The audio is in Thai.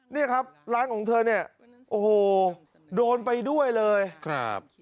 เนี่ยครับร้านของเธอเนี่ยโอ้โหโดนไปด้วยเลยครับ